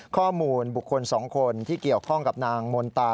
ข้อมูลบุคคล๒คนที่เกี่ยวข้องกับนางมนตา